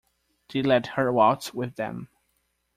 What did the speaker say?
They let her waltz with them.